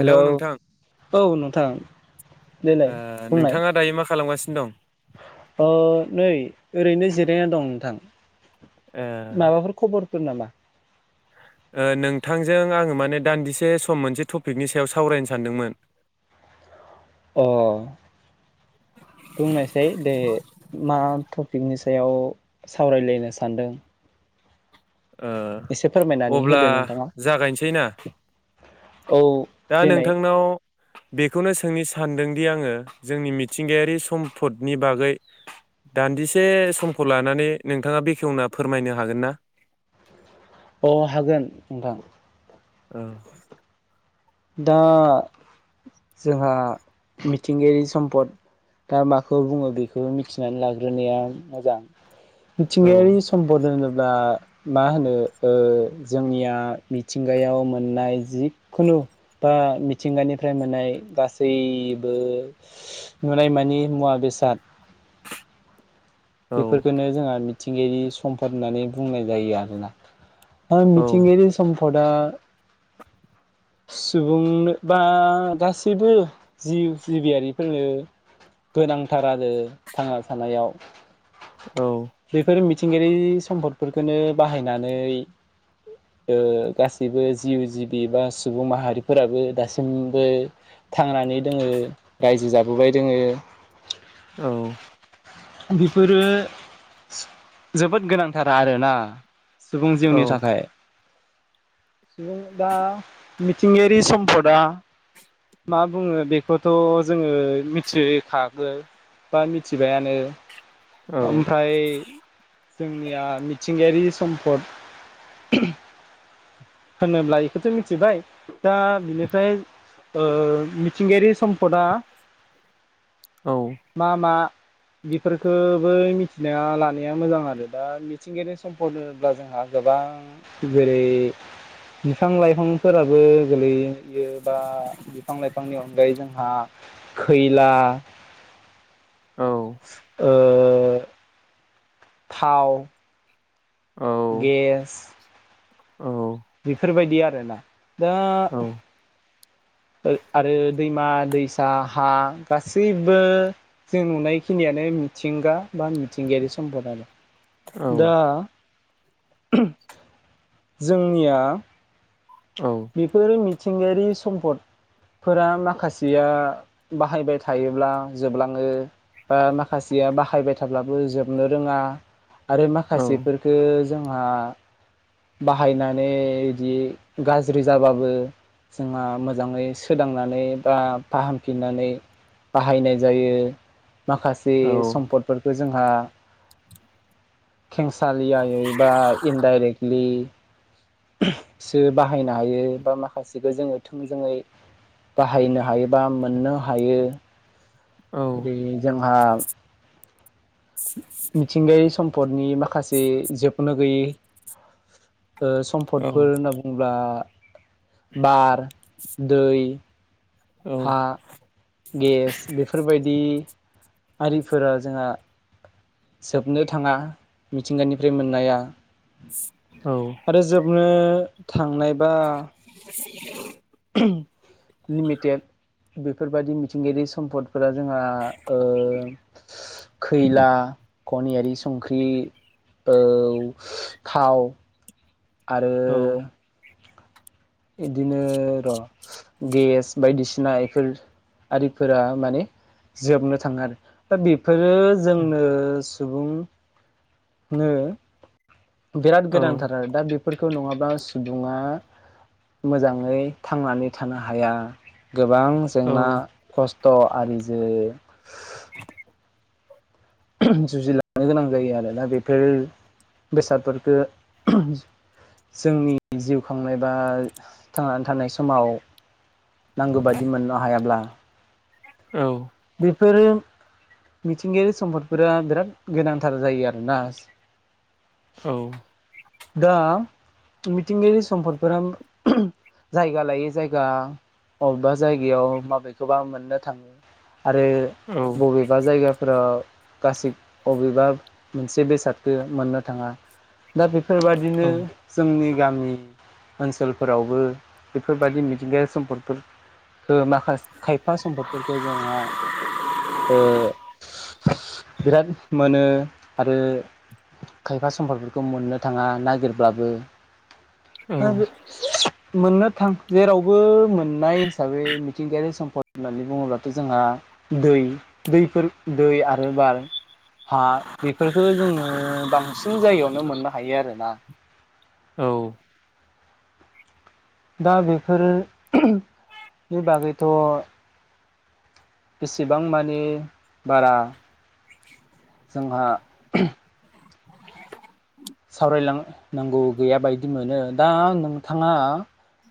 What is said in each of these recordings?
Hello औ नोंथां ओ देलाय बुंनाय। नोंथाङा दायो मा खालामगासिनो दं? ओ नै ओरैनो जिरायना दं नोंथां। ओ माबाफोर खबरफोर नामा? ओ नोंथांजों आङो माने दान्दिसे सम मोनसे टपिकनि सायाव सावरायनो सानदोंमोन। अ' बुंनायसाय दे मा थ' पिकनि सायाव सावरायलायनो सानदों। एसे ओ फोरमायनानै अब्ला होदो नोंथाङा जागायनोसै ना? औ दा देनाय नोंथांनाव बेखौनो सोंनि सानदोंदि आङो जोंनि मिथिंगायारि सम्फदनि बागै दान्दिसे समखौ लानानै नोंथाङा बेखेवना फोरमायनो हागोन ना? अ' हागोन नोंथां। ओ दा जोंहा मिथिंगायारि सम्पद दा माखौ बुङो? बेखौ मिथिनानै लाग्रोनाया मोजां। औ मिथिंगायारि सम्पद होनो बा मा होनो ओ जोंनिया मिथिंगायाव मोननाय जिखुनु बा मिथिंगानिफ्राय मोननाय गासैबो नुनायमानि मुवा बेसाद औ बेफोरखोनो जोंहा मिथिंगायारि सम्पद होननानै बुंनाय जायो आरोना। ओह औ मिथिंगायारि सम्पद खदा सुबुंनो बा गासैबो जिउ जिबियारिफोरनो गोनांथार आरो थांना थानायाव औ बेफोर मिथिंगायारि सम्पदफोरखौनो बाहायनानै ओ गासैबो जिउ जिबि बा सुबुं माहारिफोराबो दासिमबो थांनानै दोङो रायजो जाबोबाय दङो औ बेफोरो जोबोद गोनांथार आरोना सुबुं औ जिउनि थाखाय सुबुं दा मिथिंगायारि सम्पदा मा बुङो बेखौथ' जोङो मिथिखागो बा मिथिबायानो औ ओमफ्राय जोंनिया मिथिंगायारि सम्पद होनोब्ला बेखौथो मिथिबाय दा बिनिफ्राय ओ मिथिंगायारि सम्पद आ औ मा मा बेफोरखौ बै मिथिना लानाया मोजां आरो दा मिथिंगायारि सम्पनोब्ला जोंहा गोबां जेरै बिफां लाइफांफोराबो गोलैयो बा बिफां लाइफांनि अनगायै जोंहा खैला औ ओ थाव गेस औ बेफोरबायदि आरोना दा आरो दैमा दैसा हा गासैबो जों नुनायखिनियानो मिथिंगा बा मिथिंगायारि सम्पदानो दा औ जोंनिया औ बेफोरो मि मिथिंगायारि सम्पदफोरा माखासेया बाहायबाय थायोब्ला जोबलाङो बा माखासेया बाहायबाय थाब्लाबो जोबनो रोङा आरो औ माखासेफोरखो जों बाहनानै बिदि गा ज्रि जाबाबो जोंहा मोजाङै सोदांनानै बा फाहामफिननानै बाहायनाय जायो माखासे सम्पदफोरखौ जोंहा खेंसालियायै एबा इनडायरेखलि सो बाहायनो हायो बा माखासेखौ जोङो थोंजोङै बाहायनो हायो बा मोननो हायो। [inaudible] बा मिथिंगायारि सम्पदनि माखासे जोबनो गैयै सम्दफोर होनना बुं बार, दै हा, गेस बेफोरबायदि आरिफोरा जोंहा जोबनो थाङा मिथिंगानिफ्राय मोननाया आरो जोबनो थांनायबा [inaudible] लिमिटेड बेफोरबादि मिथिंगायारि सम्पदफोरा जोंहा ओ खैला, खनियारि संख्रि, औ थाव आरो इदिनो र' गेस बायदिसिना बेफोर आरिफोरा माने जोबनो थाङो आरो दा बे बेफोरो जोंनो सुबुं नो बिराद गोनांथार आरो दा बिफ फोरखौ नङाब्ला सुबुङा मोजाङै थांनानै थानो हाया। गोबां जेंना खस थ' आरिजों जुजिलांनो गोनां जायो आरोना बेफोर बेसादफोरखो जोंनि जिउ खांनाय बा थांनानै थानाय समाव नांगौ बायदि मोननो हायाब्ला औ बेफोरो मिथिंगायारि सम्पदफोरा बिराद गोनांथार जायो आरोना औ दा मिथिंगायारि सम्पदफोरा जायगा लायै जायगा अबेबा जायगायाव माबेखौबा मोननो थाङो आरो बबेबा जायगाफोराव गासि अबेबा मोनसे बेसादखौ मोननो थाङा दा बे फोरबायदिनो जोंनि गामि ओनसोलफोरावबो बेफोरबायदि मिथिंगायारि सम्फदफोरखो माखासे खायफा सम्फदफोरखो जोंहा बिराद मोनो आरो खायफा सम्फदफोरखौ मोननो थाङा नागिरब्लाबो [unintelligible] मोननो थां जेरावबो मोननाय हिसाबै मिथिंगायारि सम्पद होननानै बुङोब्लाथ' जोंहा दै दैफोर दै आरो बार हा बेफोरफोरखो जोङो बांसिन जायगायावनो मोननो हा बा औ दा बेफोरनि बागैथ' बेसेबां मानि बारा जोंहा सावरायलांनांगौ गैया बायदि मोनो दा नोंथाङा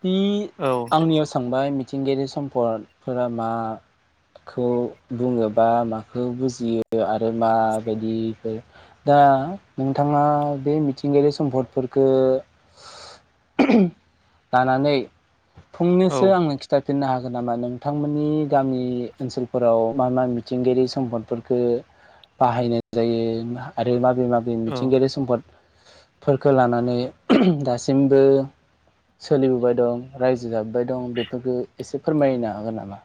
दि आंनियाव सोंबाय मिथिंगायारि सम्पदफोरा माखौ बुङोबा माखौ बुजियो आरो माबायदिफोर दा नोंथाङा बे मिथिंगायारि सम्पदफोरखो लानानै फुंनैसो आंनो खिथा‌ [unintelligible] हागोन नामा? नोंथांमोननि गामि ओनसोलफोराव मा मा मिथिंगायारि सम्पदफोरखो बाहायनाय जायो? आरो मा बे माबे मिथिंगायारि सम्पद फोरखो लानानै दासिमबो सोलिबोबाय दं रायजो जाबोबाय दं बेफोरखौ एसे फोरमायनो हागोन नामा?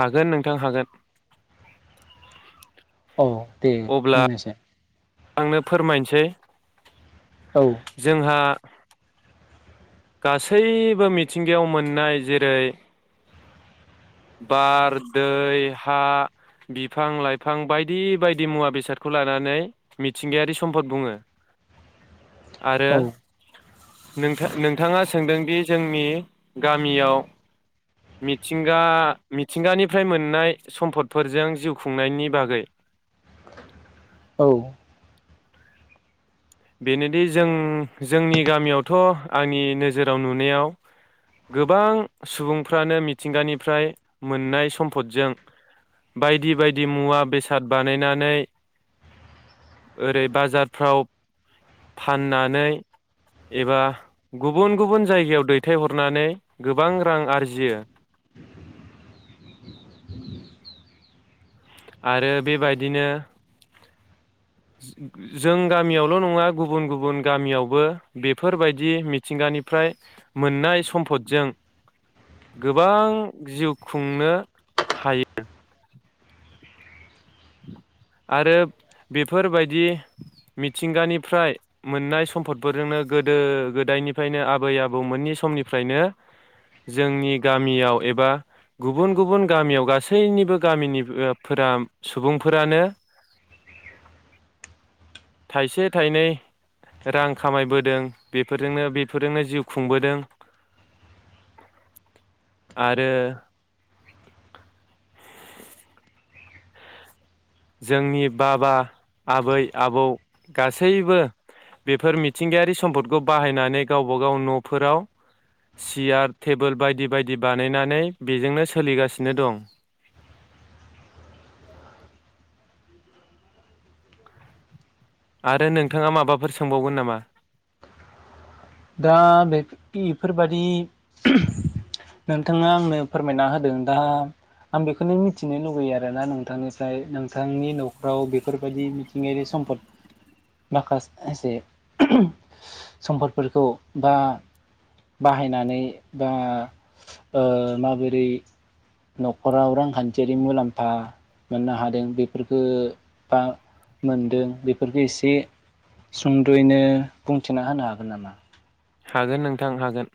हागोन नोंथां हागोन। औ दे अब्ला बुंनायसाय। आंनो फोरमायनोसै। औ जोंहा गासैबो मिथिंगायाव मोननाय जेरै बार, दै, हा बिफां-लाइफां बायदि बायदि मुवा बेसादखौ लानानै मिथिंगायारि सम्पद बुंङो। आरो औ नोंथा -नोंथाङा सोंदोंदि जोंनि गामियाव मिथिं गा मिथिंगानिफ्राय मोननाय सम्पदफोरजों जिउ खुंनायनि बागै। औ बेनोदि जों जोंनि गामियावथ' आंनि नोजोराव नुनायाव गोबां सुबुंफ्रानो मिथिंगानिफ्राय मोननाय सम्फदजों बायदि बायदि मुवा बेसाद बानायनानै ओरै बाजारफ्राव फाननानै एबा गुबुन गुबुन जायगायाव दैथायहरनानै गोबां रां आरजियो। आरो बेबायदिनो जों गामियावल' नंङा गुबुन गुबुन गामियावबो बेफोरबायदि मिथिंगानिफ्राय मोननाय सम्फदजों गोबां जिउ खुंनो हायो। आरो बेफोरबायदि मिथिंगानिफ्राय मोननाय सम्फदफोरजोंनो गोदो गोदायनिफ्रायनो आबै आबौ मोननि समनिफ्रायनो जोंनि गामियाव एबा गुबुन गुबुन गामियाव गासैनिबो गामिनिफोरा सुबुंफोरानो थाइसे थाइनै रां खामायबोदों बेफोरजोंनो बेफोरजोंनो जिउ खुंबोदों आरो जोंनि बाबा आबै आबौ गासैबो बेफोर मिथिंगायारि सम्पदखौ बाहायनानै गावबा गाव न'फोराव सियार थेबोल बायदि बायदि बानायनानै बेजोंनो सोलिगासिनो दं। आरो नोंथाङा माबाफोर सोंबावगोन नामा? दा बेफ इफोबादि नोंथाङा आंनो फोरमायना होदों। दा आं बेखौनो मिथिनो लुगैयो आरो ना नोंथांनिफ्राय। नोंथांनि न'खराव बेफोरबायदि मिथिंगायारि सम्फद माखासे सम्फद फोरखौ बा बाहायनानै बा ओ माबोरै न'खराव रांखान्थियारि मुलाम्फा मोननो हादों बेफोरखो बा मोनदों बेफोरखो एसे सुंद'यैनो बुंथिना होनो हागोन नामा? हागोन नोंथां हागोन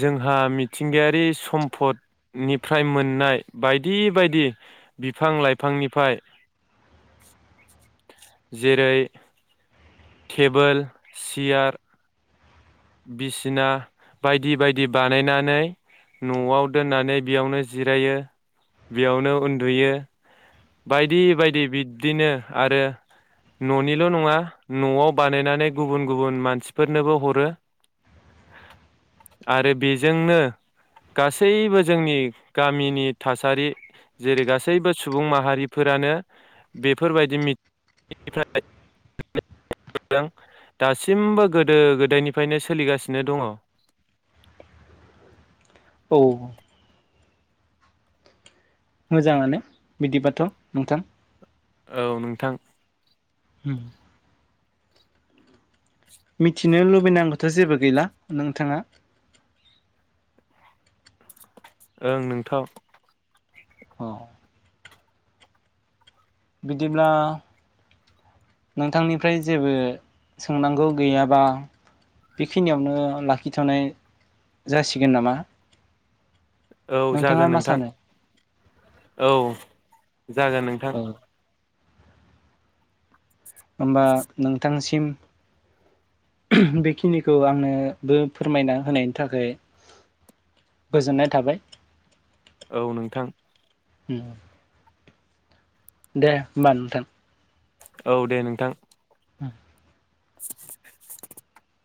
।जोंहा मिथिंगायारि सम्फदनिफ्राय मोननाय बायदि बायदि बिफां लाइफांनिफाय जेरै थेबोल सियार बिसिना बायदि बायदि बानायनानै न'आव दोननानै बेयावनो जिरायो बेयावनो उन्दुयो बायदि बायदि बिब्दिनो आरो न'निल' नङा न'आव बानायनानै गुबुन गुबुन मानसिफोरनोबो हरो। आरो बेजोंनो गासैबो जोंनि गामिनि थासारि जेरै गासैबो सुबुं माहारिफोरानो बेफोरबायदिनिफ्राय [unintelligible] दासिमबो गोदो गोदायनि फ्रायनो सोलिगासिनो दङ'। औ मोजाङानो। बिदिबाथ' नोंथां। औ नोंथां। उम मिथिनो लुबैनांगौथ' जेबो गैला नोंथाङा। ओं नोंथाव औ बिदिब्ला नोंथांनिफ्राय जेबो सोंनांगौ गैयाबा बेखिनियावनो लाखिथ'नाय जासिगोन नामा? औ नोंथाङा जागोन मा नोंथां सानो औ। जागोन नोंथां। औ होमबा नोंथांसिम बेखिनिखौ आंनोबो फोरमायना होनायनि थाखै गोजोननाय थाबाय। औ नोंथां। उम दे होमबा नोंथां औ दे नोंथां [inaudible] [inaudible]